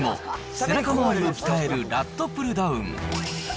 ほかにも、背中周りを鍛えるラットプルダウン。